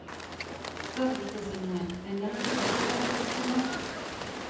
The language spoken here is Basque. Zer uste zenuen, engainatu egin behar ninduzula?